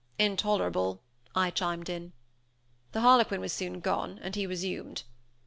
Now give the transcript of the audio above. "Intolerable!" I chimed in. The harlequin was soon gone, and he resumed.